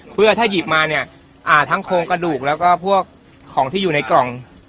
เพื่อถ้าหยิบมาเนี่ยทั้งโครงกระดูกแล้วก็พวกของที่อยู่ในกล่อง